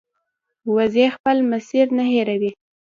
وزې خپل مسیر نه هېروي